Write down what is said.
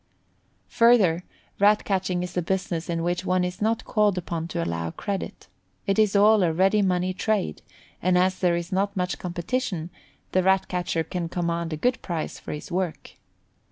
Further, Rat catching is a business in which one is not called upon to allow credit. It is all a ready money trade, and as there is not much competition, the Rat catcher can command a good price for his work.